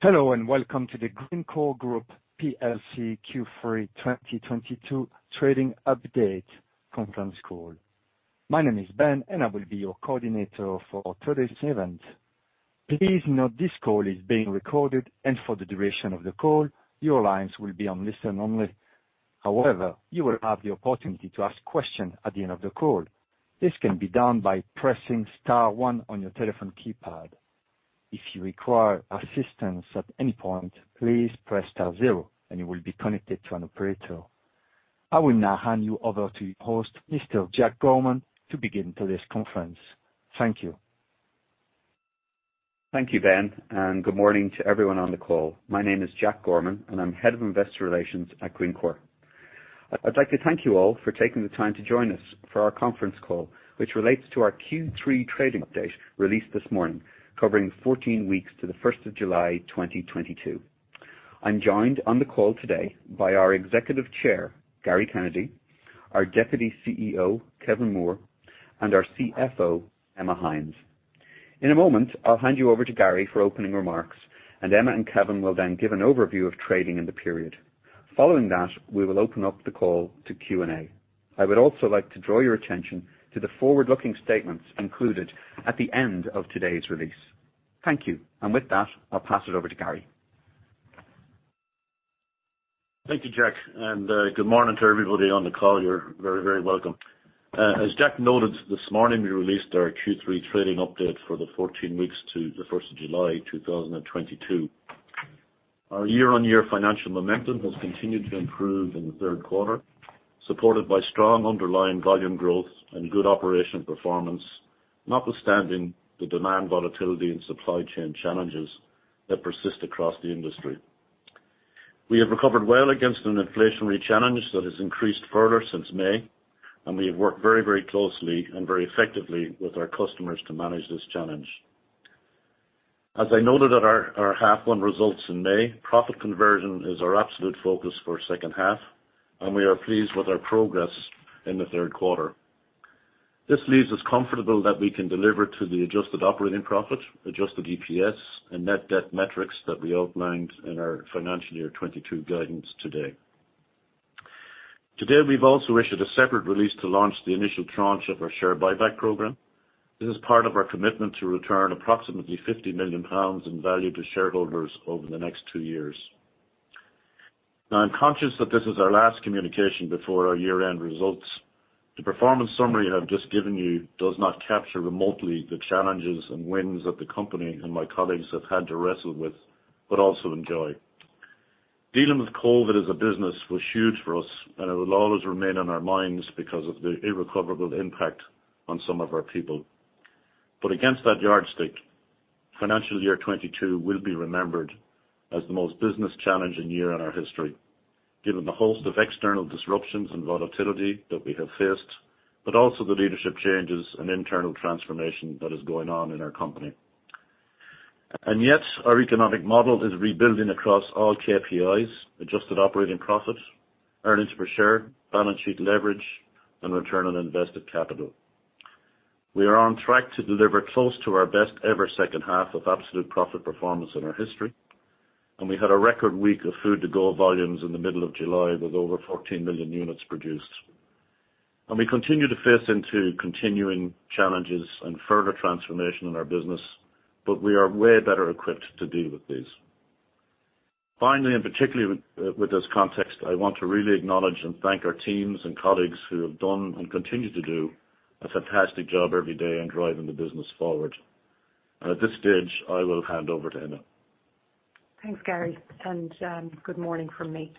Hello, and welcome to the Greencore Group plc Q3 2022 trading update conference call. My name is Ben, and I will be your coordinator for today's event. Please note this call is being recorded, and for the duration of the call, your lines will be on listen-only. However, you will have the opportunity to ask questions at the end of the call. This can be done by pressing star one on your telephone keypad. If you require assistance at any point, please press star zero and you will be connected to an operator. I will now hand you over to your host, Mr. Jack Gorman, to begin today's conference. Thank you. Thank you, Ben, and good morning to everyone on the call. My name is Jack Gorman, and I'm Head of Investor Relations at Greencore. I'd like to thank you all for taking the time to join us for our conference call, which relates to our Q3 trading update released this morning, covering 14 weeks to the 1st of July 2022. I'm joined on the call today by our Executive Chair, Gary Kennedy, our Deputy CEO, Kevin Moore, and our CFO, Emma Hynes. In a moment, I'll hand you over to Gary for opening remarks, and Emma and Kevin will then give an overview of trading in the period. Following that, we will open up the call to Q&A. I would also like to draw your attention to the forward-looking statements included at the end of today's release. Thank you. With that, I'll pass it over to Gary. Thank you, Jack, and good morning to everybody on the call. You're very, very welcome. As Jack noted this morning, we released our Q3 trading update for the 14 weeks to the 1st July 2022. Our year-on-year financial momentum has continued to improve in the third quarter, supported by strong underlying volume growth and good operational performance, notwithstanding the demand volatility and supply chain challenges that persist across the industry. We have recovered well against an inflationary challenge that has increased further since May, and we have worked very, very closely and very effectively with our customers to manage this challenge. As I noted at our half one results in May, profit conversion is our absolute focus for second half, and we are pleased with our progress in the third quarter. This leaves us comfortable that we can deliver to the Adjusted Operating Profit, Adjusted EPS, and net debt metrics that we outlined in our financial year 2022 guidance today. Today, we've also issued a separate release to launch the initial tranche of our share buyback program. This is part of our commitment to return approximately 50 million pounds in value to shareholders over the next two years. Now, I'm conscious that this is our last communication before our year-end results. The performance summary I have just given you does not capture remotely the challenges and wins that the company and my colleagues have had to wrestle with, but also enjoy. Dealing with COVID as a business was huge for us, and it will always remain on our minds because of the irrecoverable impact on some of our people. Against that yardstick, financial year 2022 will be remembered as the most business-challenging year in our history, given the host of external disruptions and volatility that we have faced, but also the leadership changes and internal transformation that is going on in our company. Yet, our economic model is rebuilding across all KPIs, adjusted operating profits, earnings per share, balance sheet leverage, and return on invested capital. We are on track to deliver close to our best ever second half of absolute profit performance in our history, and we had a record week of food-to-go volumes in the middle of July with over 14 million units produced. We continue to face into continuing challenges and further transformation in our business, but we are way better equipped to deal with these. Finally, and particularly with this context, I want to really acknowledge and thank our teams and colleagues who have done and continue to do a fantastic job every day in driving the business forward. At this stage, I will hand over to Emma. Thanks, Gary, and good morning from me.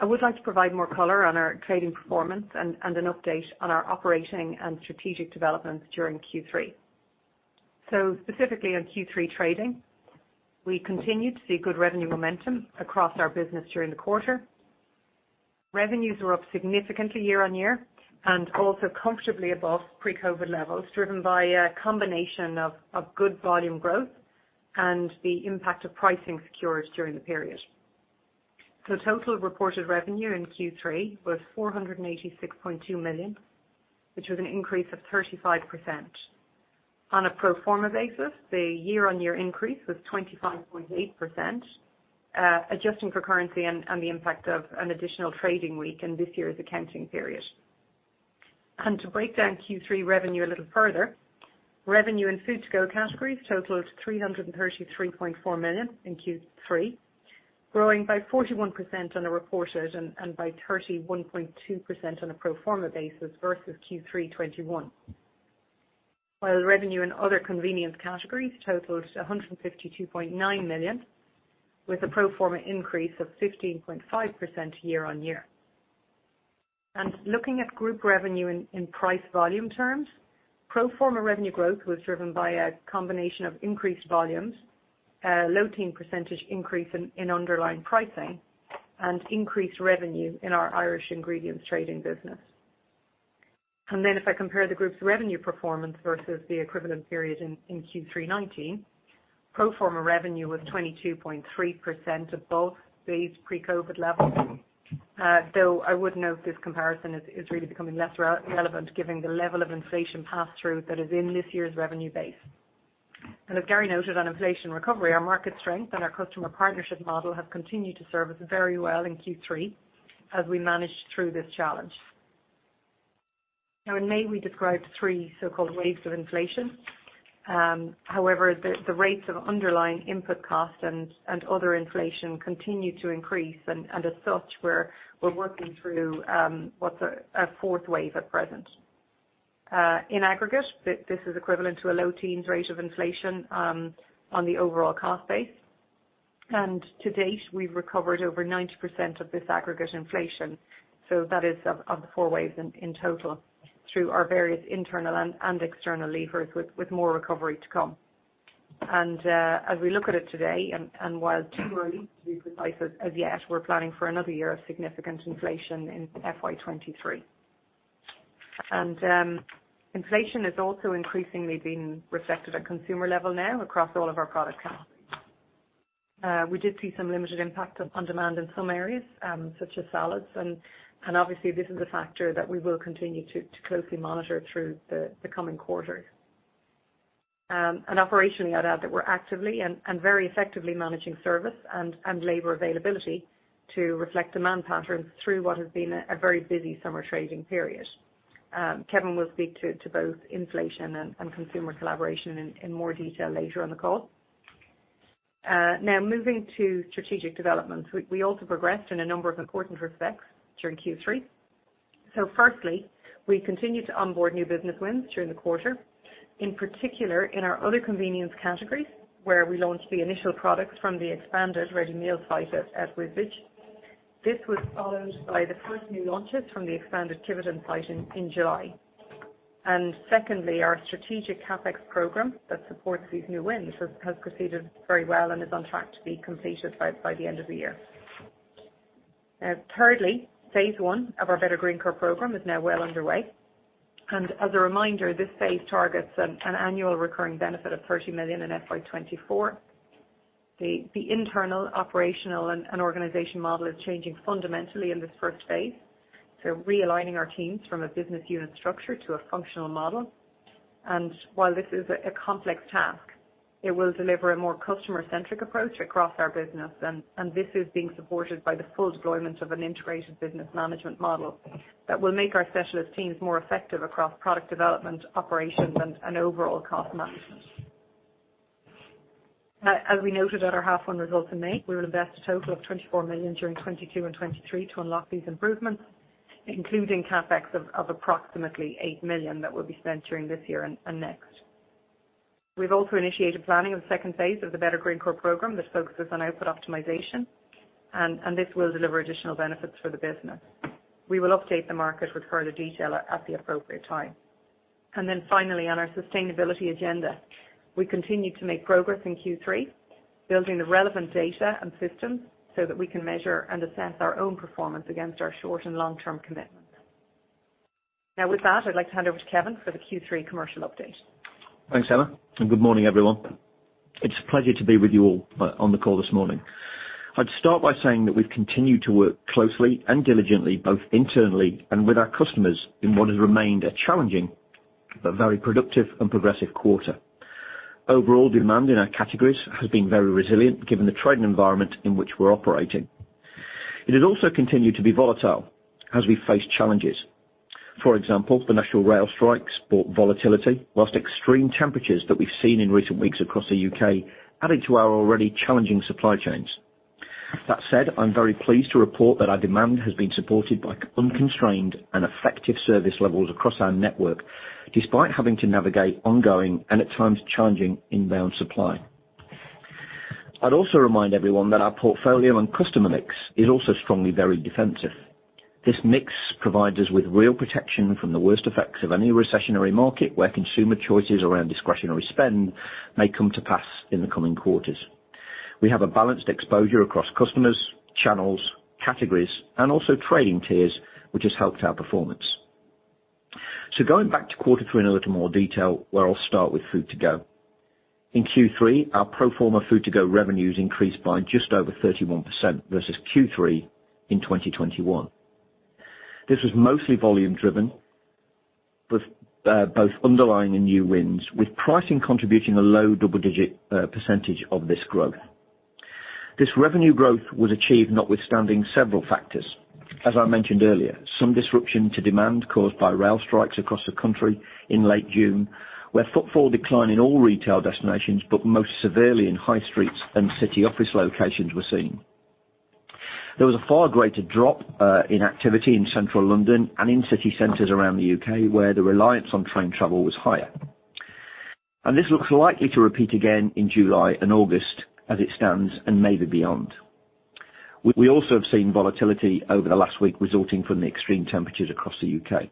I would like to provide more color on our trading performance and an update on our operating and strategic developments during Q3. Specifically on Q3 trading, we continued to see good revenue momentum across our business during the quarter. Revenues were up significantly year-on-year and also comfortably above pre-COVID levels, driven by a combination of good volume growth and the impact of pricing increases during the period. Total reported revenue in Q3 was 486.2 million, which was an increase of 35%. On a pro forma basis, the year-on-year increase was 25.8%, adjusting for currency and the impact of an additional trading week in this year's accounting period. To break down Q3 revenue a little further, revenue in food-to-go categories totaled 333.4 million in Q3, growing by 41% on a reported and by 31.2% on a pro forma basis versus Q3 2021. While revenue in other convenience categories totaled 152.9 million with a pro forma increase of 15.5% year on year. Looking at group revenue in price volume terms, pro forma revenue growth was driven by a combination of increased volumes, low-teens percentage increase in underlying pricing and increased revenue in our Irish ingredients trading business. If I compare the group's revenue performance versus the equivalent period in Q3 2019, pro forma revenue was 22.3% above these pre-COVID levels. Though I would note this comparison is really becoming less relevant given the level of inflation pass-through that is in this year's revenue base. As Gary noted on inflation recovery, our market strength and our customer partnership model have continued to serve us very well in Q3 as we managed through this challenge. Now in May, we described three so-called waves of inflation. However, the rates of underlying input costs and other inflation continued to increase and as such we're working through what's a fourth wave at present. In aggregate, this is equivalent to a low teens rate of inflation on the overall cost base. To date, we've recovered over 90% of this aggregate inflation. That is of the four waves in total through our various internal and external levers with more recovery to come. As we look at it today and while too early to be precise as yet, we're planning for another year of significant inflation in FY 2023. Inflation is also increasingly being reflected at consumer level now across all of our product categories. We did see some limited impact on demand in some areas, such as salads and obviously this is a factor that we will continue to closely monitor through the coming quarters. Operationally I'd add that we're actively and very effectively managing service and labor availability to reflect demand patterns through what has been a very busy summer trading period. Kevin will speak to both inflation and consumer collaboration in more detail later in the call. Now moving to strategic developments, we also progressed in a number of important respects during Q3. Firstly, we continued to onboard new business wins during the quarter, in particular in our other convenience categories, where we launched the initial products from the expanded ready meal site at Wisbech. This was followed by the first new launches from the expanded Kiveton site in July. Secondly, our strategic CapEx program that supports these new wins has proceeded very well and is on track to be completed by the end of the year. Now thirdly, phase one of our Better Greencore program is now well underway, and as a reminder, this phase targets an annual recurring benefit of 30 million in FY 2024. The internal operational and organization model is changing fundamentally in this first phase, so realigning our teams from a business unit structure to a functional model. While this is a complex task, it will deliver a more customer-centric approach across our business. This is being supported by the full deployment of an integrated business management model that will make our specialist teams more effective across product development, operations, and overall cost management. As we noted at our H1 results in May, we will invest a total of 24 million during 2022 and 2023 to unlock these improvements, including CapEx of approximately 8 million that will be spent during this year and next. We've also initiated planning of the second phase of the Better Greencore program that focuses on output optimization, and this will deliver additional benefits for the business. We will update the market with further detail at the appropriate time. Finally, on our sustainability agenda, we continued to make progress in Q3, building the relevant data and systems so that we can measure and assess our own performance against our short and long-term commitments. Now with that, I'd like to hand over to Kevin for the Q3 commercial update. Thanks, Emma, and good morning, everyone. It's a pleasure to be with you all on the call this morning. I'd start by saying that we've continued to work closely and diligently, both internally and with our customers in what has remained a challenging but very productive and progressive quarter. Overall demand in our categories has been very resilient given the trading environment in which we're operating. It has also continued to be volatile as we face challenges. For example, the national rail strikes brought volatility, while extreme temperatures that we've seen in recent weeks across the U.K. added to our already challenging supply chains. That said, I'm very pleased to report that our demand has been supported by unconstrained and effective service levels across our network, despite having to navigate ongoing and at times challenging inbound supply. I'd also remind everyone that our portfolio and customer mix is also strongly very defensive. This mix provides us with real protection from the worst effects of any recessionary market, where consumer choices around discretionary spend may come to pass in the coming quarters. We have a balanced exposure across customers, channels, categories, and also trading tiers, which has helped our performance. Going back to quarter three in a little more detail, where I'll start with food-to-go. In Q3, our pro forma food-to-go revenues increased by just over 31% versus Q3 in 2021. This was mostly volume driven with both underlying and new wins, with pricing contributing a low double-digit percentage of this growth. This revenue growth was achieved notwithstanding several factors. As I mentioned earlier, some disruption to demand caused by rail strikes across the country in late June, where footfall declined in all retail destinations, but most severely in high streets and city office locations were seen. There was a far greater drop in activity in central London and in city centers around the U.K., where the reliance on train travel was higher. This looks likely to repeat again in July and August as it stands, and maybe beyond. We also have seen volatility over the last week resulting from the extreme temperatures across the U.K.,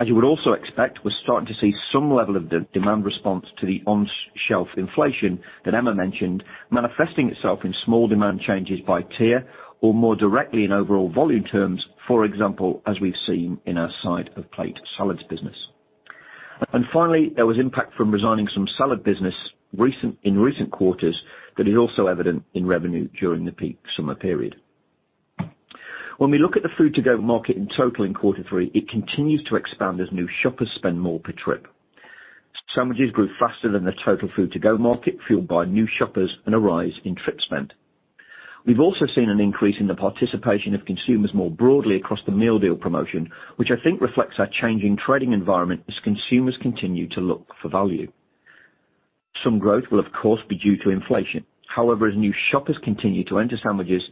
as you would also expect, we're starting to see some level of demand response to the on-shelf inflation that Emma mentioned, manifesting itself in small demand changes by tier or more directly in overall volume terms, for example, as we've seen in our side of plate salads business. Finally, there was impact from resizing some salad business recently in recent quarters that is also evident in revenue during the peak summer period. When we look at the food-to-go-market in total in quarter three, it continues to expand as new shoppers spend more per trip. Sandwiches grew faster than the total food-to-go-market, fueled by new shoppers and a rise in trip spend. We've also seen an increase in the participation of consumers more broadly across the meal deal promotion, which I think reflects our changing trading environment as consumers continue to look for value. Some growth will of course be due to inflation. However, as new shoppers continue to enter sandwiches,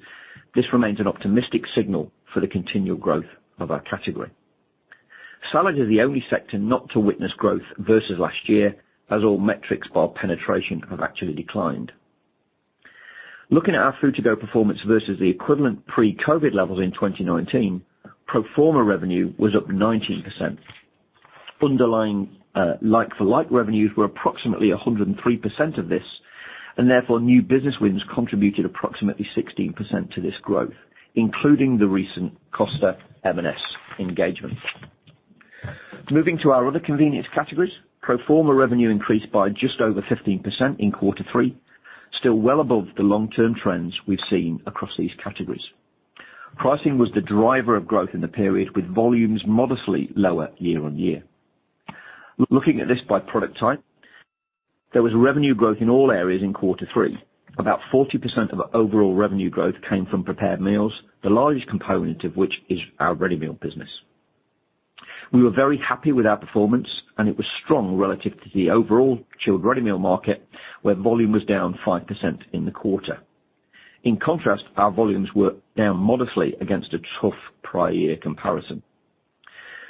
this remains an optimistic signal for the continual growth of our category. Salad is the only sector not to witness growth versus last year, as all metrics by penetration have actually declined. Looking at our food-to-go performance versus the equivalent pre-COVID levels in 2019, pro forma revenue was up 19%. Underlying, like for like revenues were approximately 103% of this, and therefore new business wins contributed approximately 16% to this growth, including the recent Costa M&S engagement. Moving to our other convenience categories, pro forma revenue increased by just over 15% in quarter three, still well above the long-term trends we've seen across these categories. Pricing was the driver of growth in the period, with volumes modestly lower year-on-year. Looking at this by product type, there was revenue growth in all areas in quarter three. About 40% of our overall revenue growth came from prepared meals, the largest component of which is our ready meal business. We were very happy with our performance, and it was strong relative to the overall chilled ready meals market, where volume was down 5% in the quarter. In contrast, our volumes were down modestly against a tough prior year comparison.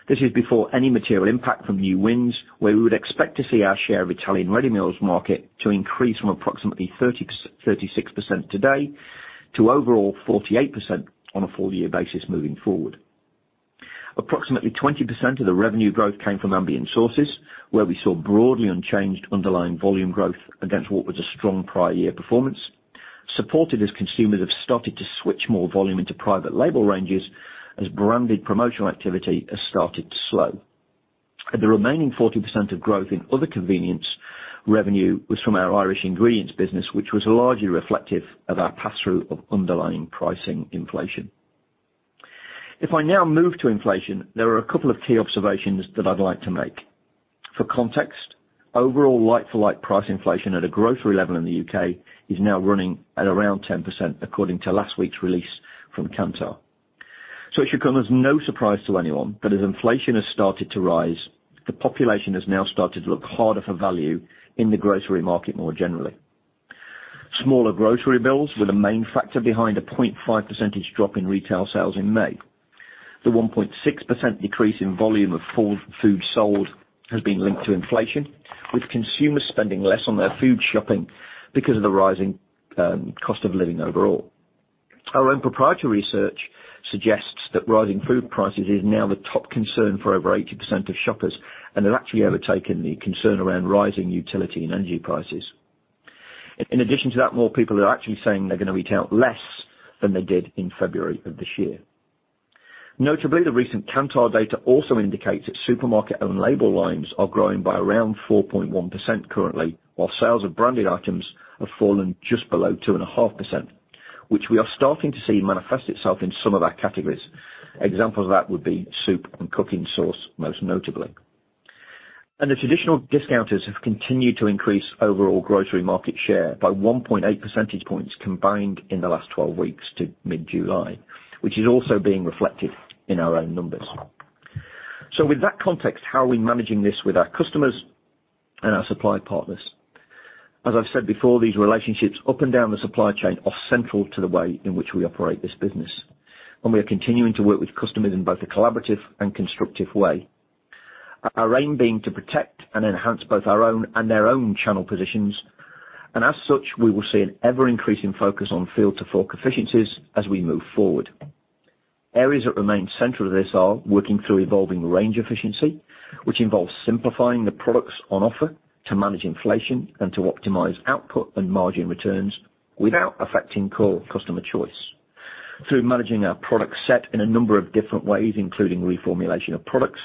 This is before any material impact from new wins, where we would expect to see our share of Italian ready meals market to increase from approximately 36% today to overall 48% on a full year basis moving forward. Approximately 20% of the revenue growth came from ambient sources, where we saw broadly unchanged underlying volume growth against what was a strong prior year performance, supported as consumers have started to switch more volume into private label ranges as branded promotional activity has started to slow. The remaining 40% of growth in other convenience revenue was from our Irish ingredients business, which was largely reflective of our passthrough of underlying pricing inflation. If I now move to inflation, there are a couple of key observations that I'd like to make. For context, overall like for like price inflation at a grocery level in the U.K. is now running at around 10% according to last week's release from Kantar. It should come as no surprise to anyone that as inflation has started to rise, the population has now started to look harder for value in the grocery market more generally. Smaller grocery bills were the main factor behind a 0.5 percentage point drop in retail sales in May. The 1.6% decrease in volume of food sold has been linked to inflation, with consumers spending less on their food shopping because of the rising cost of living overall. Our own proprietary research suggests that rising food prices is now the top concern for over 80% of shoppers, and they've actually overtaken the concern around rising utility and energy prices. In addition to that, more people are actually saying they're going to retail less than they did in February of this year. Notably, the recent Kantar data also indicates that supermarket own label lines are growing by around 4.1% currently, while sales of branded items have fallen just below 2.5%, which we are starting to see manifest itself in some of our categories. Examples of that would be soup and cooking sauce, most notably. The traditional discounters have continued to increase overall grocery market share by 1.8 percentage points combined in the last 12 weeks to mid-July, which is also being reflected in our own numbers. With that context, how are we managing this with our customers and our supply partners? As I've said before, these relationships up and down the supply chain are central to the way in which we operate this business, and we are continuing to work with customers in both a collaborative and constructive way. Our aim being to protect and enhance both our own and their own channel positions. As such, we will see an ever-increasing focus on field to fork efficiencies as we move forward. Areas that remain central to this are working through evolving range efficiency, which involves simplifying the products on offer to manage inflation and to optimize output and margin returns without affecting core customer choice through managing our product set in a number of different ways, including reformulation of products,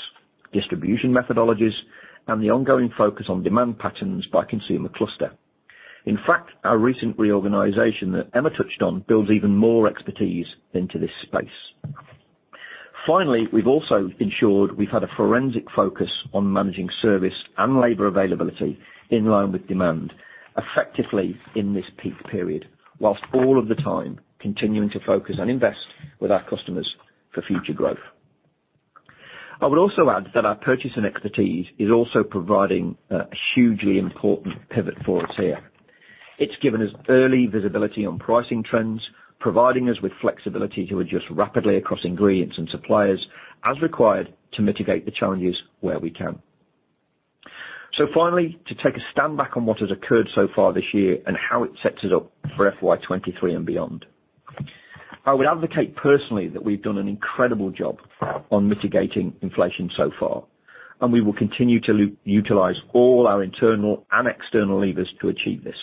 distribution methodologies, and the ongoing focus on demand patterns by consumer cluster. In fact, our recent reorganization that Emma touched on builds even more expertise into this space. Finally, we've also ensured we've had a forensic focus on managing service and labor availability in line with demand effectively in this peak period, while all of the time continuing to focus and invest with our customers for future growth. I would also add that our purchasing expertise is also providing a hugely important pivot for us here. It's given us early visibility on pricing trends, providing us with flexibility to adjust rapidly across ingredients and suppliers as required to mitigate the challenges where we can. Finally, to take a step back on what has occurred so far this year and how it sets us up for FY 2023 and beyond. I would advocate personally that we've done an incredible job on mitigating inflation so far, and we will continue to utilize all our internal and external levers to achieve this.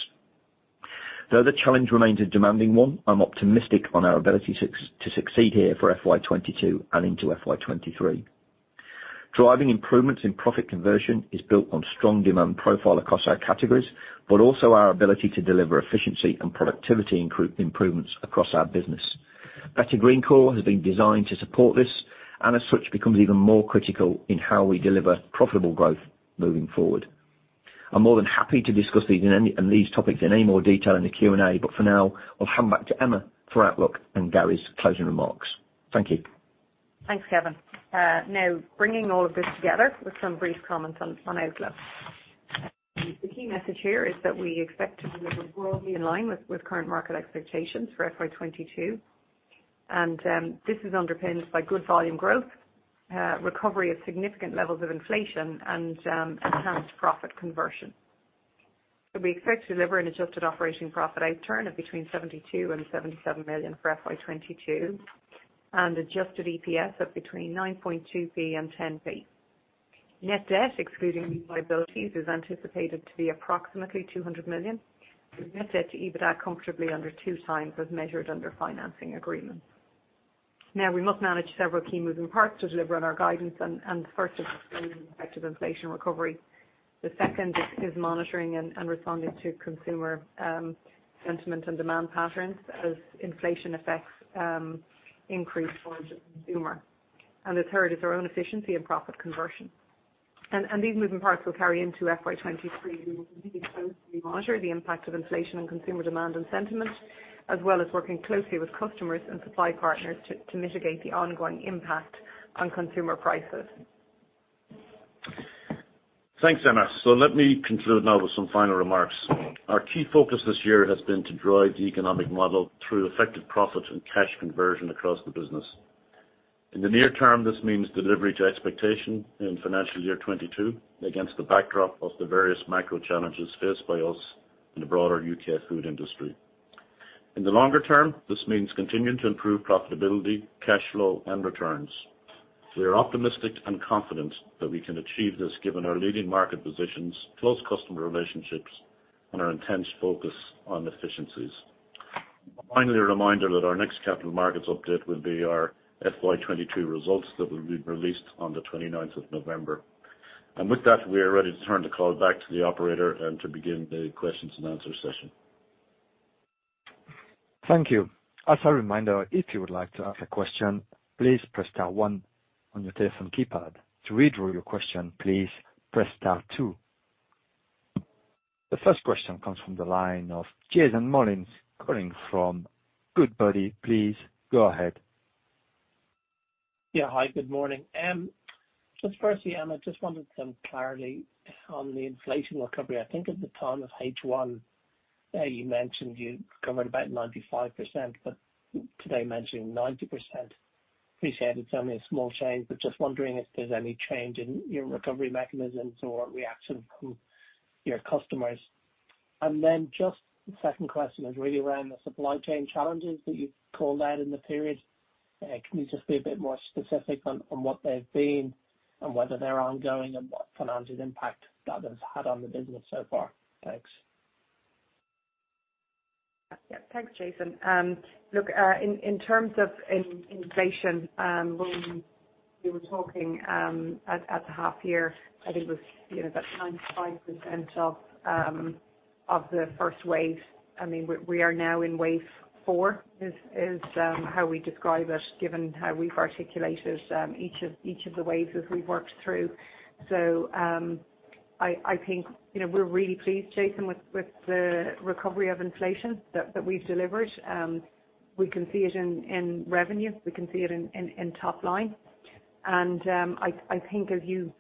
Though the challenge remains a demanding one, I'm optimistic on our ability to succeed here for FY 2022 and into FY 2023. Driving improvements in profit conversion is built on strong demand profile across our categories, but also our ability to deliver efficiency and productivity improvements across our business. Better Greencore has been designed to support this and as such becomes even more critical in how we deliver profitable growth moving forward. I'm more than happy to discuss these on these topics in any more detail in the Q&A, but for now, I'll hand back to Emma for outlook and Gary's closing remarks. Thank you. Thanks, Kevin. Now bringing all of this together with some brief comments on outlook. The key message here is that we expect to deliver broadly in line with current market expectations for FY 2022 and this is underpinned by good volume growth, recovery of significant levels of inflation and enhanced profit conversion. We expect to deliver an Adjusted Operating Profit outturn of between 72 million and 77 million for FY 2022 and Adjusted EPS of between 9.2pence and 10 pence. Net debt, excluding lease liabilities is anticipated to be approximately 200 million with net debt to EBITDA comfortably under 2x as measured under financing agreement. Now, we must manage several key moving parts to deliver on our guidance and the first is sustaining the effect of inflation recovery. The second is monitoring and responding to consumer sentiment and demand patterns as inflation affects increased cost of the consumer. The third is our own efficiency and profit conversion. These moving parts will carry into FY 2023. We will continue to closely monitor the impact of inflation on consumer demand and sentiment, as well as working closely with customers and supply partners to mitigate the ongoing impact on consumer prices. Thanks, Emma. Let me conclude now with some final remarks. Our key focus this year has been to drive the economic model through effective profit and cash conversion across the business. In the near term, this means delivery to expectation in financial year 2022 against the backdrop of the various micro challenges faced by us in the broader UK food industry. In the longer term, this means continuing to improve profitability, cash flow and returns. We are optimistic and confident that we can achieve this given our leading market positions, close customer relationships, and our intense focus on efficiencies. Finally, a reminder that our next capital markets update will be our FY 2022 results that will be released on the 29th of November. With that, we are ready to turn the call back to the operator and to begin the questions and answer session. Thank you. As a reminder, if you would like to ask a question, please press star one on your telephone keypad. To withdraw your question, please press star two. The first question comes from the line of Jason Molins calling from Goodbody. Please go ahead. Yeah. Hi, good morning. Just firstly, Emma, just wanted some clarity on the inflation recovery. I think at the time of H1, you mentioned you'd recovered about 95%, but today mentioning 90%. Appreciate it's only a small change, but just wondering if there's any change in your recovery mechanisms or reaction from your customers. Then just the second question is really around the supply chain challenges that you've called out in the period. Can you just be a bit more specific on what they've been and whether they're ongoing and what financial impact that has had on the business so far? Thanks. Yeah. Thanks, Jason. Look, in terms of inflation, when we were talking at the half year, I think it was, you know, about 95% of the first wave. I mean, we are now in wave four, is how we describe it, given how we've articulated each of the waves as we've worked through. I think, you know, we're really pleased, Jason, with the recovery of inflation that we've delivered. We can see it in revenue. We can see it in top line. I think as you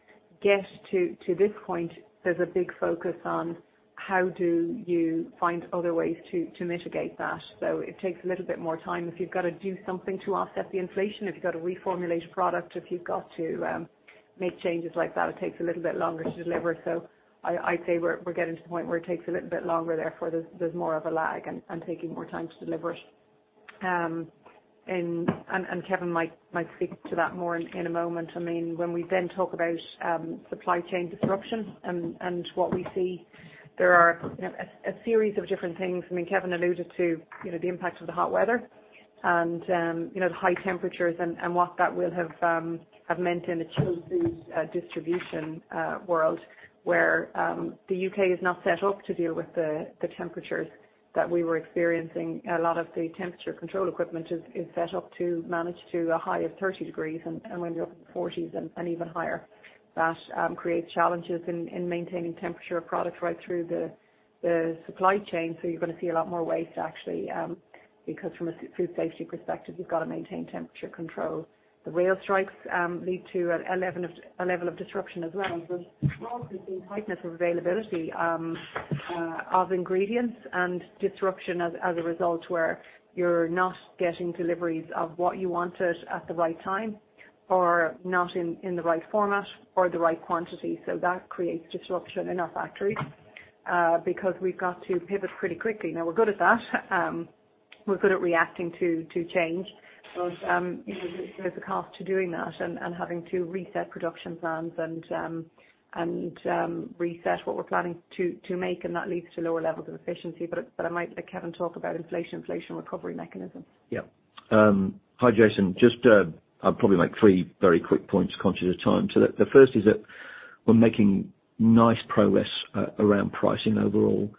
get to this point, there's a big focus on how do you find other ways to mitigate that. It takes a little bit more time. If you've got to do something to offset the inflation, if you've got to reformulate a product, if you've got to make changes like that, it takes a little bit longer to deliver. I'd say we're getting to the point where it takes a little bit longer, therefore there's more of a lag and taking more time to deliver it. Kevin might speak to that more in a moment. I mean, when we then talk about supply chain disruption and what we see, there are, you know, a series of different things. I mean, Kevin alluded to, you know, the impact of the hot weather and, you know, the high temperatures and what that will have meant in a chilled food distribution world where the U.K. is not set up to deal with the temperatures that we were experiencing. A lot of the temperature control equipment is set up to manage to a high of 30 degrees and when you're up in 40s and even higher. That creates challenges in maintaining temperature of product right through the supply chain, so you're gonna see a lot more waste actually, because from a food safety perspective, you've got to maintain temperature control. The rail strikes lead to a level of disruption as well. Broadly, we've seen tightness of availability of ingredients and disruption as a result where you're not getting deliveries of what you wanted at the right time or not in the right format or the right quantity. That creates disruption in our factories because we've got to pivot pretty quickly. Now we're good at that. We're good at reacting to change. You know, there's a cost to doing that and having to reset production plans and reset what we're planning to make, and that leads to lower levels of efficiency. I might let Kevin talk about inflation recovery mechanisms. Yeah. Hi, Jason. Just, I'll probably make three very quick points, conscious of time. The first is that we're making nice progress around pricing overall.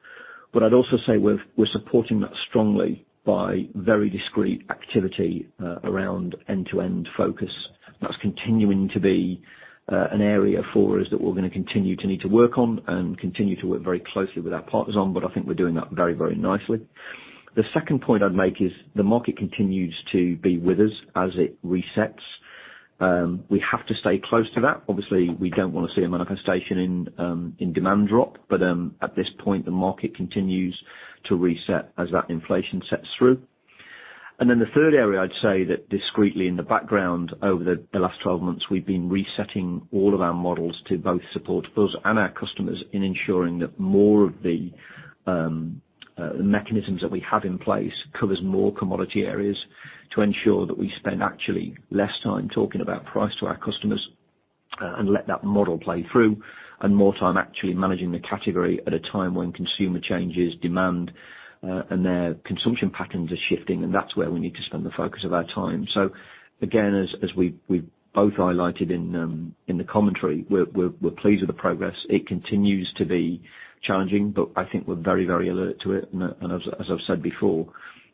What I'd also say, we're supporting that strongly by very discrete activity around end-to-end focus. That's continuing to be an area for us that we're gonna continue to need to work on and continue to work very closely with our partners on, but I think we're doing that very, very nicely. The second point I'd make is the market continues to be with us as it resets. We have to stay close to that. Obviously, we don't wanna see a manifestation in demand drop, but at this point, the market continues to reset as that inflation sets through. The third area, I'd say that discreetly in the background over the last 12 months, we've been resetting all of our models to both support us and our customers in ensuring that more of the mechanisms that we have in place covers more commodity areas to ensure that we spend actually less time talking about price to our customers and let that model play through, and more time actually managing the category at a time when consumer changes demand and their consumption patterns are shifting, and that's where we need to spend the focus of our time. Again, as we've both highlighted in the commentary, we're pleased with the progress. It continues to be challenging, but I think we're very alert to it. As I've said before,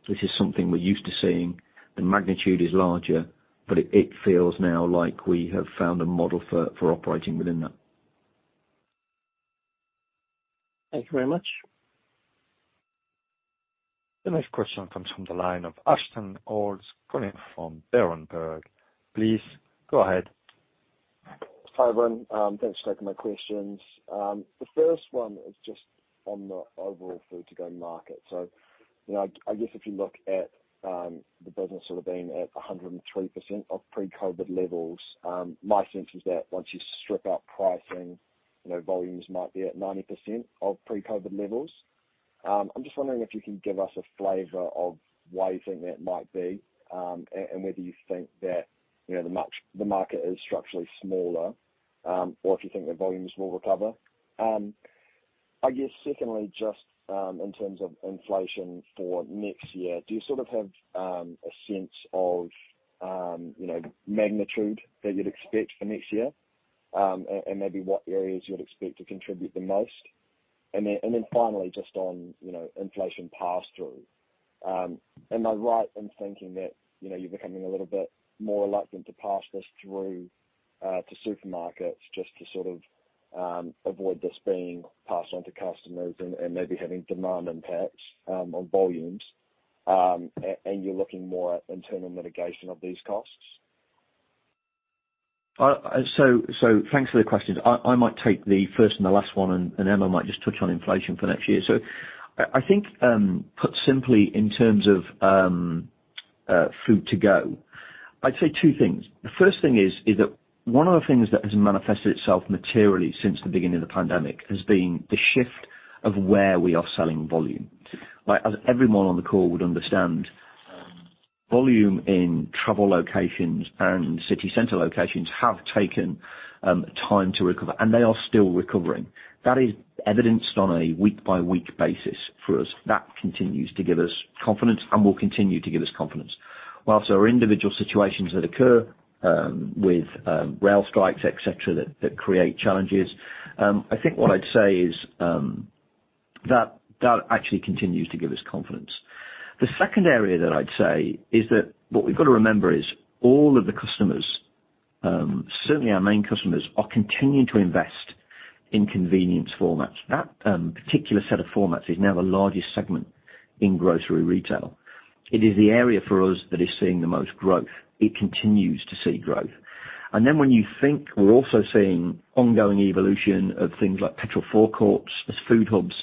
this is something we're used to seeing. The magnitude is larger, but it feels now like we have found a model for operating within that. Thank you very much. The next question comes from the line of Ashton Olds calling from Berenberg. Please go ahead. Hi, everyone. Thanks for taking my questions. The first one is just on the overall food-to-go-market. You know, I guess if you look at the business sort of being at 103% of pre-COVID levels, my sense is that once you strip out pricing, you know, volumes might be at 90% of pre-COVID levels. I'm just wondering if you can give us a flavor of why you think that might be, and whether you think that, you know, the market is structurally smaller, or if you think the volumes will recover. I guess secondly, just in terms of inflation for next year, do you sort of have a sense of you know, magnitude that you'd expect for next year, and maybe what areas you would expect to contribute the most? Then finally, just on you know, inflation pass-through. Am I right in thinking that you know, you're becoming a little bit more reluctant to pass this through to supermarkets just to sort of avoid this being passed on to customers and maybe having demand impacts on volumes, and you're looking more at internal mitigation of these costs? Thanks for the questions. I might take the first and the last one, and Emma might just touch on inflation for next year. I think, put simply in terms of food-to-go, I'd say two things. The first thing is that one of the things that has manifested itself materially since the beginning of the pandemic has been the shift of where we are selling volume, right? As everyone on the call would understand, volume in travel locations and city center locations have taken time to recover, and they are still recovering. That is evidenced on a week-by-week basis for us. That continues to give us confidence and will continue to give us confidence. While there are individual situations that occur with rail strikes, etc., that create challenges, I think what I'd say is that that actually continues to give us confidence. The second area that I'd say is that what we've got to remember is all of the customers, certainly our main customers, are continuing to invest in convenience formats. That particular set of formats is now the largest segment in grocery retail. It is the area for us that is seeing the most growth. It continues to see growth. Then when you think we're also seeing ongoing evolution of things like petrol forecourts as food hubs,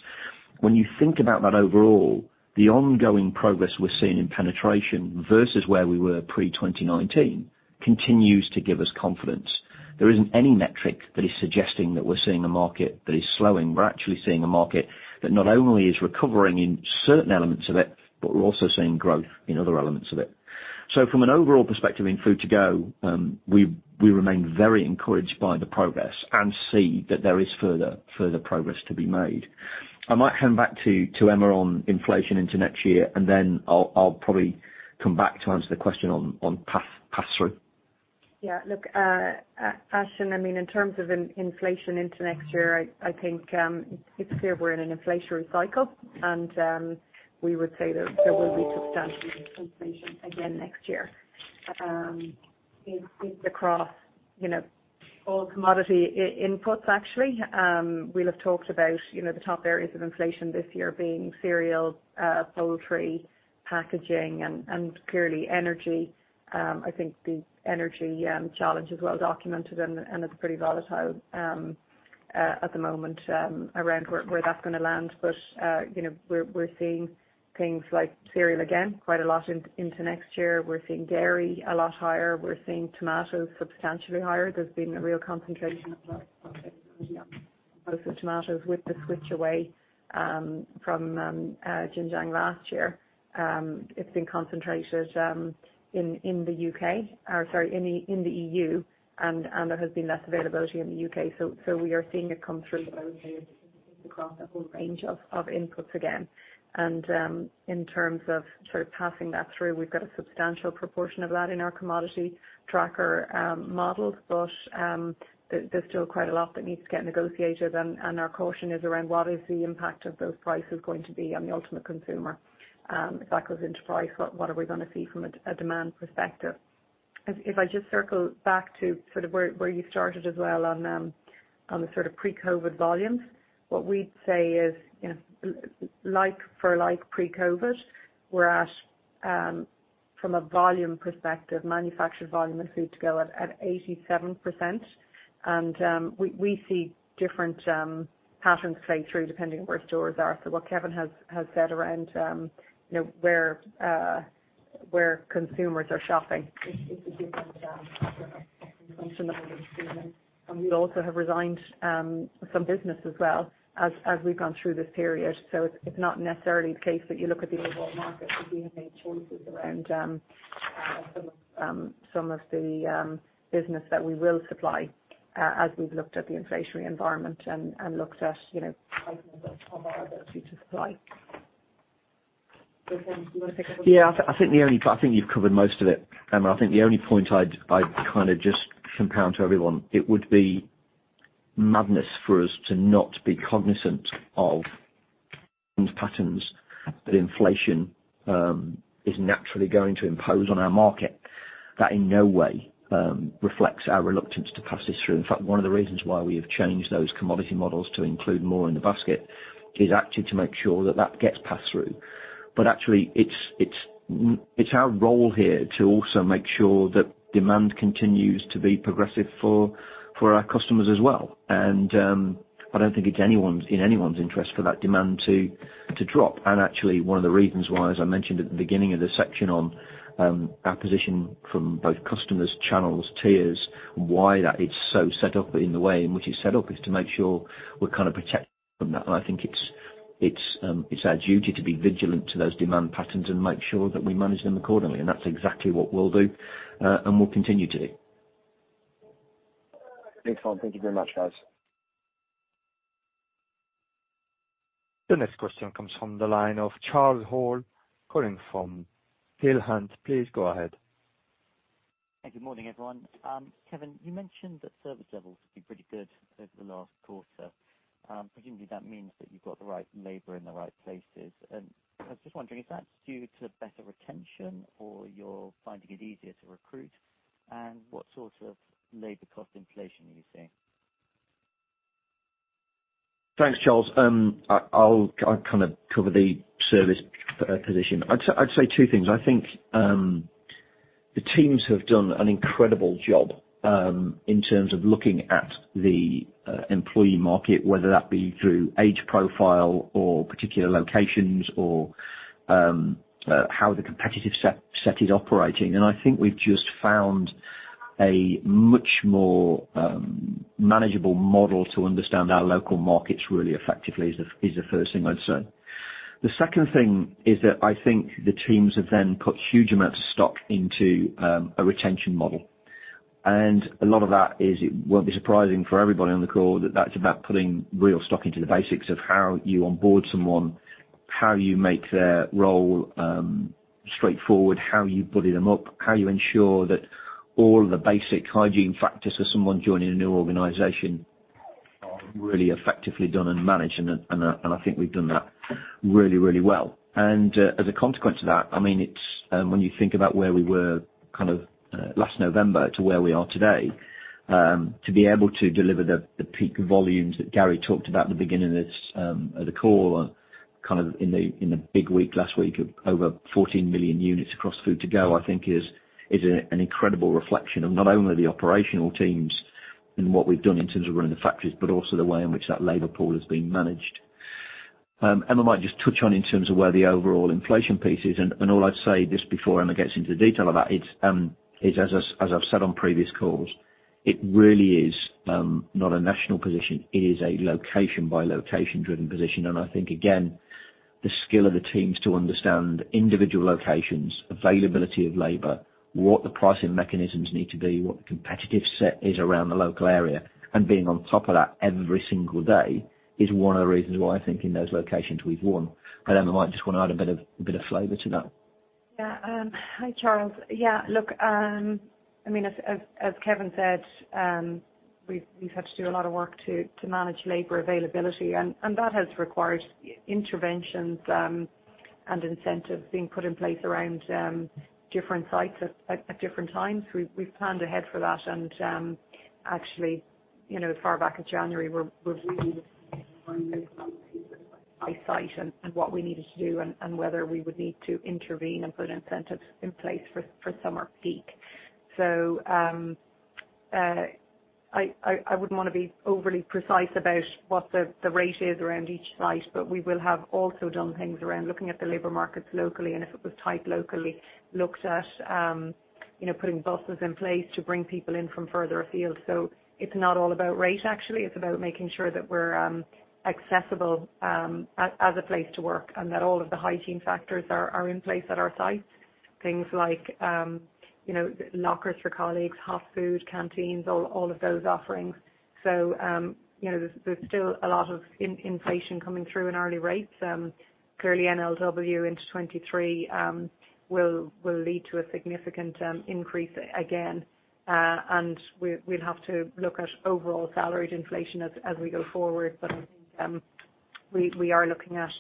when you think about that overall, the ongoing progress we're seeing in penetration versus where we were pre-2019 continues to give us confidence. There isn't any metric that is suggesting that we're seeing a market that is slowing. We're actually seeing a market that not only is recovering in certain elements of it, but we're also seeing growth in other elements of it. From an overall perspective in food-to-go, we remain very encouraged by the progress and see that there is further progress to be made. I might hand back to Emma on inflation into next year, and then I'll probably come back to answer the question on pass-through. Yeah. Look, Ashton, I mean, in terms of inflation into next year, I think it's clear we're in an inflationary cycle and we would say that there will be substantial inflation again next year. It's across, you know, all commodity inputs actually. We'll have talked about, you know, the top areas of inflation this year being cereal, poultry, packaging and clearly energy. I think the energy challenge is well documented and it's pretty volatile at the moment around where that's gonna land. You know, we're seeing things like cereal again quite a lot into next year. We're seeing dairy a lot higher. We're seeing tomatoes substantially higher. There's been a real concentration of across a whole range of inputs again. In terms of sort of passing that through, we've got a substantial proportion of that in our Commodity Tracker model. There's still quite a lot that needs to get negotiated and our caution is around what is the impact of those prices going to be on the ultimate consumer. If that goes into price, what are we gonna see from a demand perspective? I just circle back to sort of where you started as well on the sort of pre-COVID volumes, what we'd say is, you know, like for like pre-COVID, we're at, from a volume perspective, manufactured volume and food-to-go at 87%. We see different patterns play through depending on where stores are. What Kevin has said around you know where consumers are shopping, it's a different. We also have re-signed some business as well as we've gone through this period. It's not necessarily the case that you look at the overall market, but we have made choices around some of the business that we will supply, as we've looked at the inflationary environment and looked at you know items that our ability to supply. Do you wanna take over? Yeah. I think you've covered most of it. Emma, I think the only point I'd kind of just compound to everyone, it would be madness for us to not be cognizant of patterns that inflation is naturally going to impose on our market. That in no way reflects our reluctance to pass this through. In fact, one of the reasons why we have changed those commodity models to include more in the basket is actually to make sure that that gets passed through. Actually it's our role here to also make sure that demand continues to be progressive for our customers as well. I don't think it's anyone's interest for that demand to drop. Actually, one of the reasons why, as I mentioned at the beginning of this section on our position from both customers, channels, tiers, and why that is so set up in the way in which it's set up, is to make sure we're kind of protected from that. I think it's our duty to be vigilant to those demand patterns and make sure that we manage them accordingly. That's exactly what we'll do, and we'll continue to do. Great. Thank you very much, guys. The next question comes from the line of Charles Hall calling from Peel Hunt. Please go ahead. Good morning, everyone. Kevin, you mentioned that service levels have been pretty good over the last quarter. Presumably that means that you've got the right labor in the right places. I was just wondering if that's due to better retention or you're finding it easier to recruit and what sort of labor cost inflation are you seeing? Thanks, Charles. I'll kind of cover the service position. I'd say two things. I think the teams have done an incredible job in terms of looking at the employee market, whether that be through age profile or particular locations or how the competitive set is operating. I think we've just found a much more manageable model to understand our local markets really effectively is the first thing I'd say. The second thing is that I think the teams have then put huge amounts of stock into a retention model. A lot of that is, it won't be surprising for everybody on the call, that that's about putting real stock into the basics of how you onboard someone, how you make their role straightforward, how you buddy them up, how you ensure that all the basic hygiene factors for someone joining a new organization are really effectively done and managed, and I think we've done that really, really well. As a consequence of that, I mean, it's when you think about where we were kind of last November to where we are today, to be able to deliver the peak volumes that Gary talked about at the beginning of this call, kind of in the big week last week of over 14 million units across food-to-go, I think is an incredible reflection of not only the operational teams and what we've done in terms of running the factories, but also the way in which that labor pool has been managed. Emma might just touch on in terms of where the overall inflation piece is. All I'd say just before Emma gets into the detail of that, it's as I've said on previous calls, it really is not a national position. It is a location by location driven position. I think again, the skill of the teams to understand individual locations, availability of labor, what the pricing mechanisms need to be, what the competitive set is around the local area, and being on top of that every single day is one of the reasons why I think in those locations we've won. Emma might just wanna add a bit of flavor to that. Hi, Charles. I mean, as Kevin said, we've had to do a lot of work to manage labor availability and that has required interventions and incentives being put in place around different sites at different times. We've planned ahead for that. Actually, you know, as far back as January, we're really by site and what we needed to do and whether we would need to intervene and put incentives in place for summer peak. I wouldn't wanna be overly precise about what the rate is around each site, but we will have also done things around looking at the labor markets locally, and if it was tight locally, looked at putting buses in place to bring people in from further afield. It's not all about rate actually. It's about making sure that we're accessible as a place to work and that all of the hygiene factors are in place at our sites. Things like lockers for colleagues, hot food, canteens, all of those offerings. There's still a lot of inflation coming through in early rates. Clearly NLW into 2023 will lead to a significant increase again. We'll have to look at overall salaried inflation as we go forward. I think we are looking at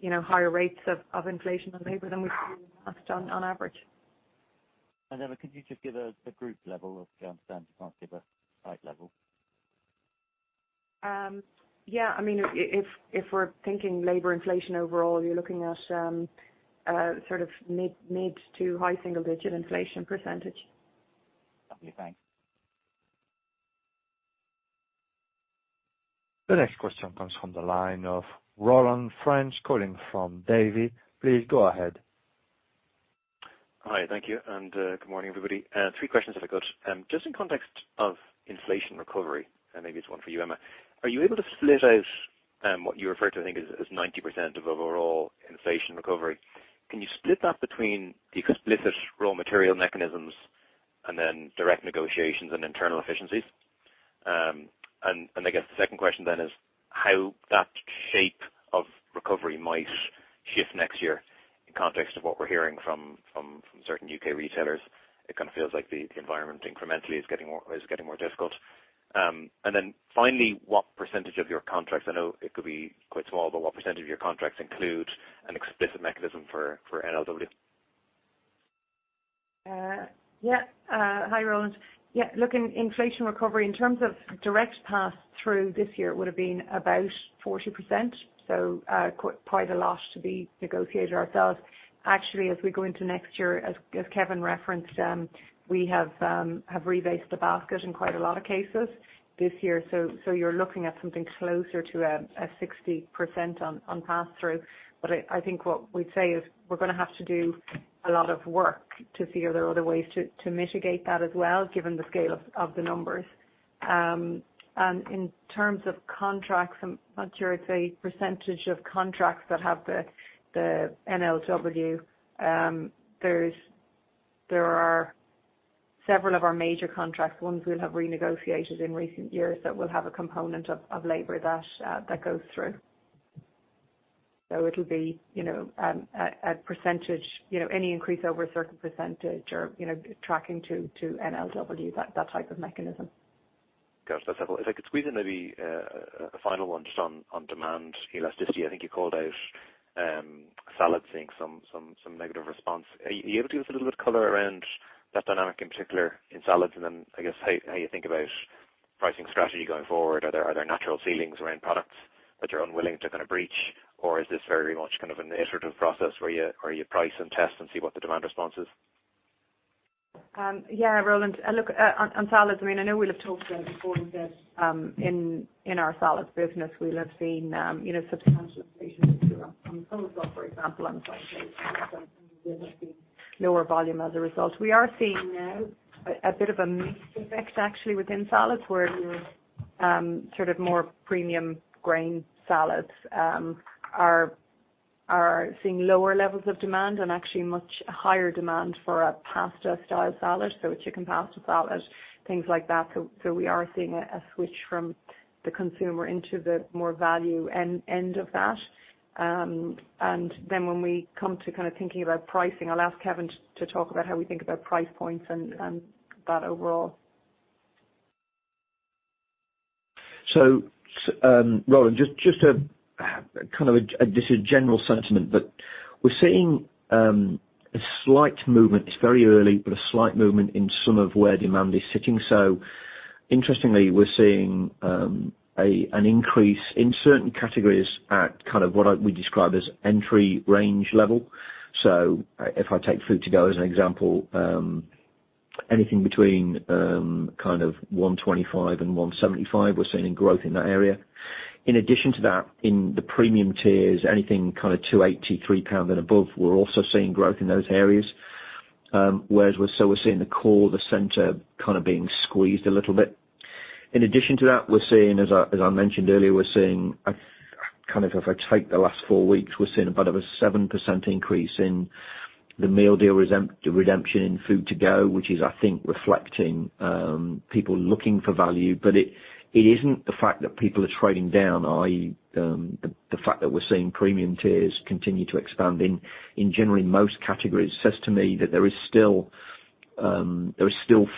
you know higher rates of inflation on labor than we've seen in the past on average. Could you just give a group level of understanding? Can't give a site level. Yeah. I mean, if we're thinking labor inflation overall, you're looking at sort of mid- to high single-digit inflation percentage. Okay, thanks. The next question comes from the line of Roland French, calling from Davy. Please go ahead. Hi. Thank you, and good morning, everybody. Three questions if I could. Just in context of inflation recovery, and maybe it's one for you, Emma, are you able to split out what you refer to, I think as 90% of overall inflation recovery? Can you split that between the explicit raw material mechanisms and then direct negotiations and internal efficiencies? I guess the second question then is how that shape of recovery might shift next year in context of what we're hearing from certain U.K. retailers. It kind of feels like the environment incrementally is getting more difficult. Finally, what percentage of your contracts, I know it could be quite small, but what percentage of your contracts include an explicit mechanism for NLW? Yeah, hi, Roland. Yeah, look, in inflation recovery in terms of direct pass through this year, it would've been about 40%. Quite a lot to be negotiated ourselves. Actually, as we go into next year, as Kevin referenced, we have rebased the basket in quite a lot of cases this year. So you're looking at something closer to a 60% on pass through. But I think what we'd say is we're gonna have to do a lot of work to see are there other ways to mitigate that as well, given the scale of the numbers. In terms of contracts, I'm not sure I'd say percentage of contracts that have the NLW. There are several of our major contracts, ones we'll have renegotiated in recent years that will have a component of labor that goes through. It'll be, you know, a percentage, you know, any increase over a certain percentage or, you know, tracking to NLW that type of mechanism. Gotcha. That's helpful. If I could squeeze in maybe a final one just on demand elasticity. I think you called out salad seeing some negative response. Are you able to give us a little bit of color around that dynamic, in particular in salads, and then I guess how you think about pricing strategy going forward? Are there natural ceilings around products that you're unwilling to kind of breach, or is this very much kind of an iterative process where you price and test and see what the demand response is? Yeah, Roland. Look, on salads, I mean, I know we'll have talked about it before, is that in our salads business, we'll have seen, you know, substantial inflation in Europe on coleslaw, for example, on side-plate. We will have seen lower volume as a result. We are seeing now a bit of a mixed effect actually within salads, where your sort of more premium grain salads are seeing lower levels of demand and actually much higher demand for a pasta style salad, so a chicken pasta salad, things like that. So we are seeing a switch from the consumer into the more value end of that. Then when we come to kind of thinking about pricing, I'll ask Kevin to talk about how we think about price points and that overall. Roland, just a kind of, this is general sentiment, but we're seeing a slight movement. It's very early, but a slight movement in some of where demand is sitting. Interestingly, we're seeing an increase in certain categories at kind of what we describe as entry range level. If I take food-to-go as an example, anything between kind of 1.25-1.75, we're seeing growth in that area. In addition to that, in the premium tiers, anything kind of 2.80 pounds, 3 pound and above, we're also seeing growth in those areas. Whereas, we're seeing the core, the center kind of being squeezed a little bit. In addition to that, as I mentioned earlier, we're seeing a kind of, if I take the last four weeks, about a 7% increase in the meal deal redemption in food-to-go, which I think is reflecting people looking for value. It isn't the fact that people are trading down, i.e., the fact that we're seeing premium tiers continue to expand in generally most categories says to me that there is still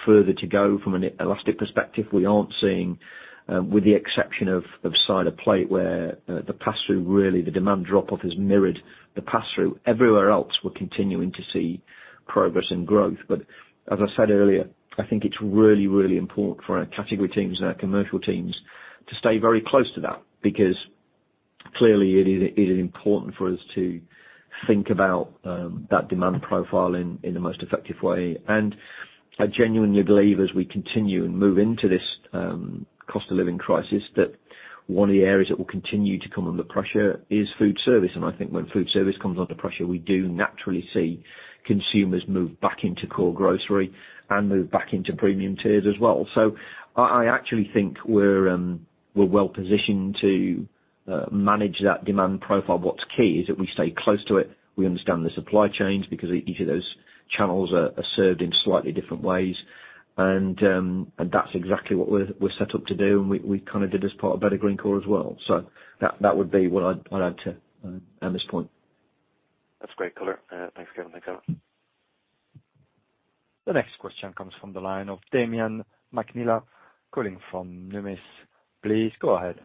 further to go from an elastic perspective. We aren't seeing, with the exception of side of plate where the pass through really the demand drop off has mirrored the pass through. Everywhere else, we're continuing to see progress and growth. I think it's really, really important for our category teams and our commercial teams to stay very close to that because clearly it is important for us to think about that demand profile in the most effective way. I genuinely believe as we continue and move into this cost of living crisis, that one of the areas that will continue to come under pressure is food service. I think when food service comes under pressure, we do naturally see consumers move back into core grocery and move back into premium tiers as well. I actually think we're well positioned to manage that demand profile. What's key is that we stay close to it. We understand the supply chains because each of those channels are served in slightly different ways. That's exactly what we're set up to do, and we kind of did as part of Better Greencore as well. That would be what I'd add to Emma's point. That's great, clear. Thanks, Kevin. Thank you. The next question comes from the line of Damian McNeela, calling from Numis. Please go ahead.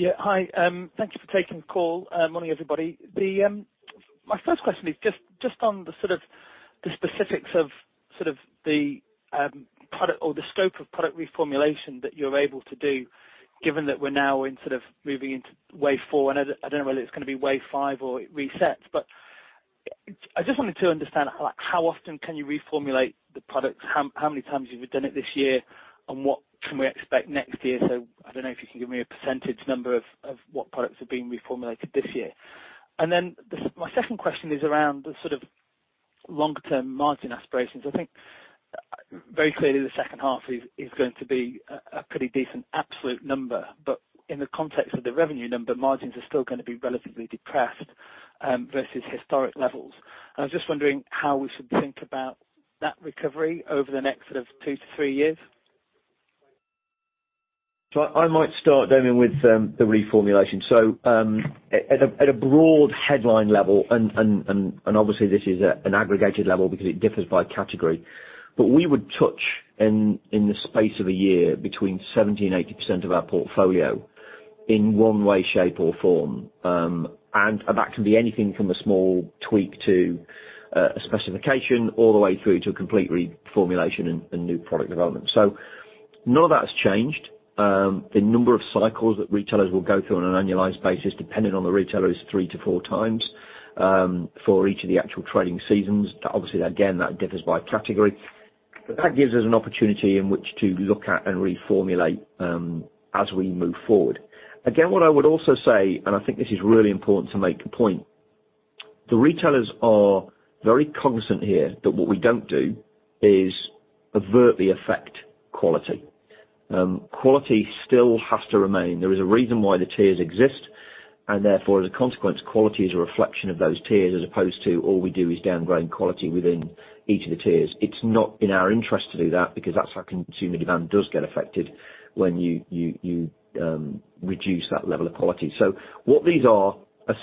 Yeah. Hi, thank you for taking the call. Morning, everybody. My first question is just on the specifics of the product or the scope of product reformulation that you're able to do, given that we're now in sort of moving into wave four. I don't know whether it's gonna be wave five or it resets. I just wanted to understand, like, how often can you reformulate the products? How many times you've done it this year, and what can we expect next year? I don't know if you can give me a percentage number of what products are being reformulated this year. Then my second question is around the sort of long-term margin aspirations. I think very clearly the second half is going to be a pretty decent absolute number. In the context of the revenue number, margins are still gonna be relatively depressed versus historic levels. I was just wondering how we should think about that recovery over the next sort of two to three years. I might start, Damian, with the reformulation. At a broad headline level, obviously this is an aggregated level because it differs by category, but we would touch in the space of a year between 70%-80% of our portfolio in one way, shape, or form. That can be anything from a small tweak to a specification all the way through to a complete reformulation and new product development. None of that has changed. The number of cycles that retailers will go through on an annualized basis, depending on the retailer, is 3-4x for each of the actual trading seasons. Obviously, again, that differs by category. That gives us an opportunity in which to look at and reformulate as we move forward. Again, what I would also say, and I think this is really important to make the point, the retailers are very cognizant here that what we don't do is overtly affect quality. Quality still has to remain. There is a reason why the tiers exist, and therefore, as a consequence, quality is a reflection of those tiers as opposed to all we do is downgrade quality within each of the tiers. It's not in our interest to do that because that's how consumer demand does get affected when you reduce that level of quality. What these are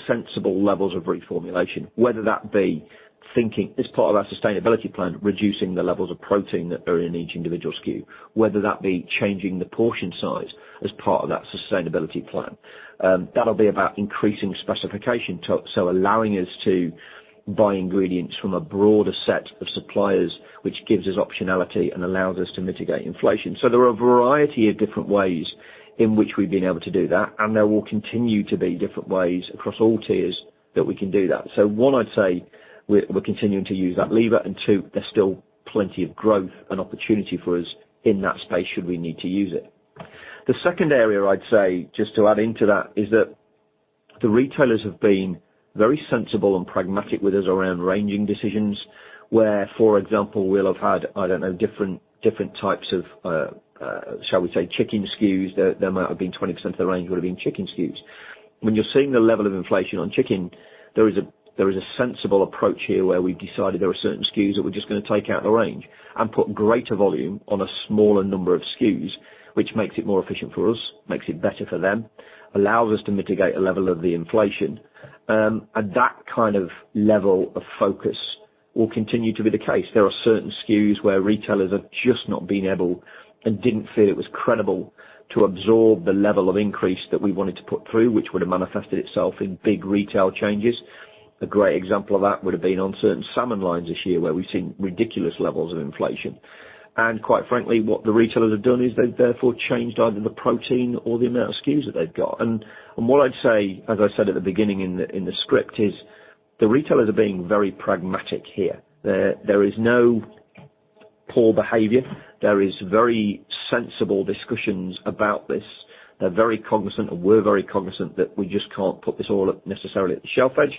sensible levels of reformulation, whether that be thinking as part of our sustainability plan, reducing the levels of protein that are in each individual SKU, whether that be changing the portion size as part of that sustainability plan. That'll be about increasing specification so allowing us to buy ingredients from a broader set of suppliers, which gives us optionality and allows us to mitigate inflation. There are a variety of different ways in which we've been able to do that, and there will continue to be different ways across all tiers that we can do that. One, I'd say we're continuing to use that lever and, two, there's still plenty of growth and opportunity for us in that space should we need to use it. The second area I'd say, just to add into that, is that the retailers have been very sensible and pragmatic with us around ranging decisions where, for example, we'll have had, I don't know, different types of, shall we say, chicken SKUs. There might have been 20% of the range would have been chicken SKUs. When you're seeing the level of inflation on chicken, there is a sensible approach here where we've decided there are certain SKUs that we're just gonna take out the range and put greater volume on a smaller number of SKUs, which makes it more efficient for us, makes it better for them, allows us to mitigate a level of the inflation. And that kind of level of focus will continue to be the case. There are certain SKUs where retailers have just not been able and didn't feel it was credible to absorb the level of increase that we wanted to put through, which would have manifested itself in big retail changes. A great example of that would have been on certain salmon lines this year, where we've seen ridiculous levels of inflation. Quite frankly, what the retailers have done is they've therefore changed either the protein or the amount of SKUs that they've got. What I'd say, as I said at the beginning in the script, is the retailers are being very pragmatic here. There is no poor behavior. There is very sensible discussions about this. They're very cognizant, and we're very cognizant that we just can't put this all up necessarily at the shelf edge.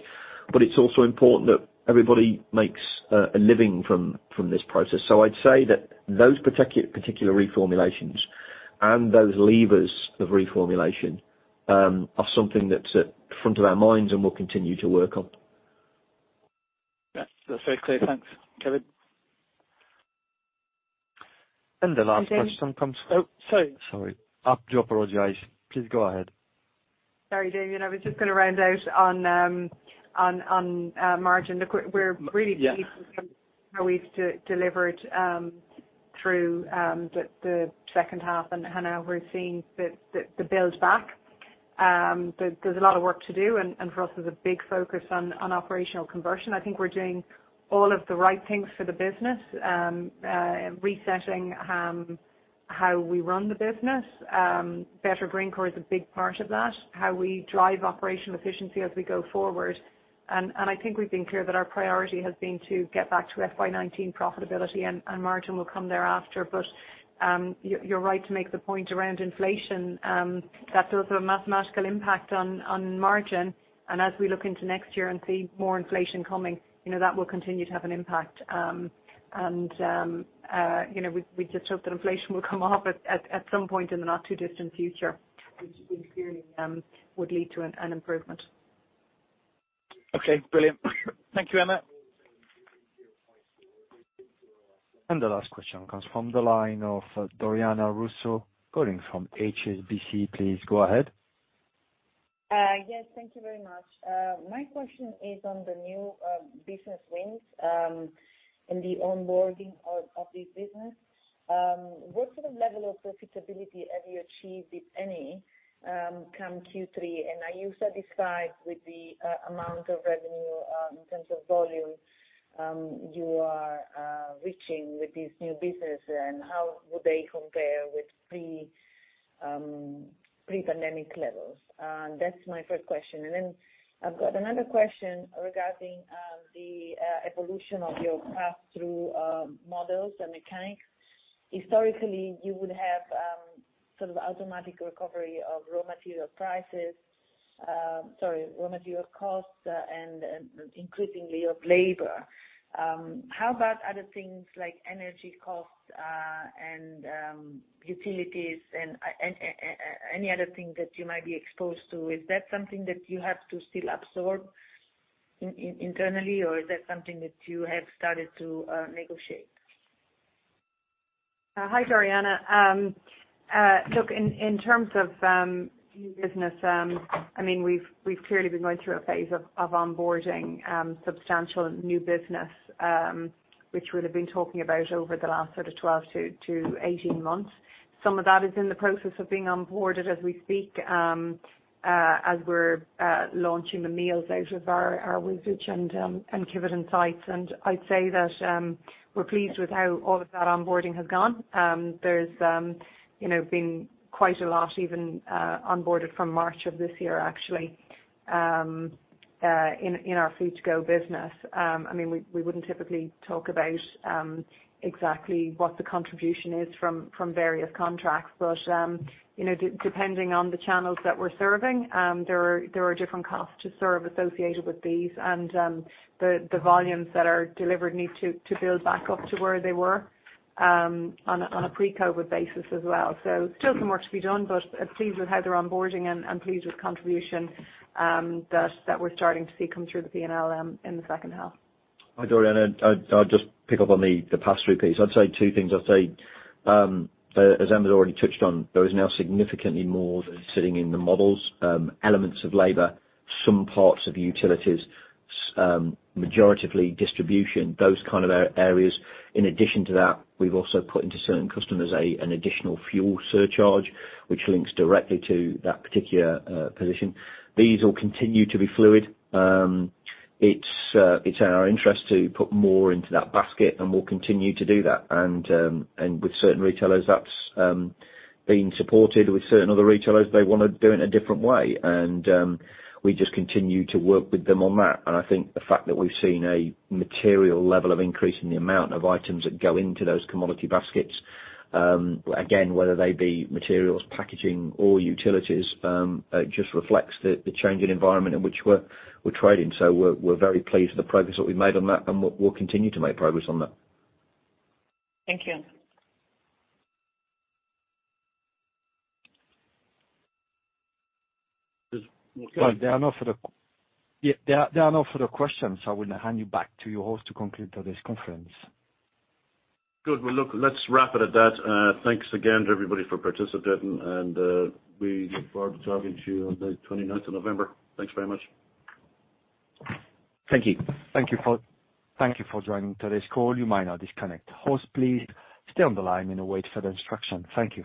It's also important that everybody makes a living from this process. I'd say that those particular reformulations and those levers of reformulation are something that's at front of our minds and we'll continue to work on. Yeah. That's very clear. Thanks, Kevin. The last question comes from- Hey, Damian. Oh, sorry. Sorry. I do apologize. Please go ahead. Sorry, Damian. I was just gonna round out on margin. Look, we're really pleased with how we've delivered through the second half and how we're seeing the build back. There's a lot of work to do and for us, there's a big focus on operational conversion. I think we're doing all of the right things for the business, resetting how we run the business. Better Greencore is a big part of that, how we drive operational efficiency as we go forward. I think we've been clear that our priority has been to get back to FY 2019 profitability and margin will come thereafter. You're right to make the point around inflation that there was a mathematical impact on margin. As we look into next year and see more inflation coming, you know, that will continue to have an impact. You know, we just hope that inflation will come off at some point in the not too distant future, which would clearly lead to an improvement. Okay, brilliant. Thank you, Emma. The last question comes from the line of Doriana Russo calling from HSBC. Please go ahead. Yes, thank you very much. My question is on the new business wins in the onboarding of this business. What sort of level of profitability have you achieved, if any, come Q3? Are you satisfied with the amount of revenue in terms of volume you are reaching with this new business? How would they compare with pre-pandemic levels? That's my first question. I've got another question regarding the evolution of your pass-through models and mechanics. Historically, you would have sort of automatic recovery of raw material prices. Sorry, raw material costs and increasingly of labor. How about other things like energy costs and utilities and any other thing that you might be exposed to? Is that something that you have to still absorb internally, or is that something that you have started to negotiate? Hi, Doriana. Look, in terms of new business, I mean, we've clearly been going through a phase of onboarding substantial new business, which we'll have been talking about over the last sort of 12-18 months. Some of that is in the process of being onboarded as we speak, as we're launching the meals out of our Wisbech and Kiveton sites. I'd say that we're pleased with how all of that onboarding has gone. There's you know been quite a lot even onboarded from March of this year, actually, in our food-to-go business. I mean, we wouldn't typically talk about exactly what the contribution is from various contracts. You know, depending on the channels that we're serving, there are different costs to serve associated with these and the volumes that are delivered need to build back up to where they were on a pre-COVID basis as well. Still some work to be done, but pleased with how they're onboarding and pleased with contribution that we're starting to see come through the P&L in the second half. Hi, Doriana. I'll just pick up on the pass-through piece. I'd say two things. I'd say, as Emma already touched on, there is now significantly more that is sitting in the models, elements of labor, some parts of utilities, mainly distribution, those kind of areas. In addition to that, we've also put into certain customers an additional fuel surcharge, which links directly to that particular position. These all continue to be fluid. It's in our interest to put more into that basket, and we'll continue to do that. With certain retailers, that's been supported. With certain other retailers, they wanna do it in a different way. We just continue to work with them on that. I think the fact that we've seen a material level of increase in the amount of items that go into those commodity baskets, again, whether they be materials, packaging or utilities, just reflects the changing environment in which we're trading. We're very pleased with the progress that we've made on that, and we'll continue to make progress on that. Thank you. There are no further questions. I will now hand you back to your host to conclude today's conference. Good. Well, look, let's wrap it at that. Thanks again to everybody for participating, and we look forward to talking to you on the 29th of November. Thanks very much. Thank you. Thank you for joining today's call. You may now disconnect. Hosts, please stay on the line and await further instruction. Thank you.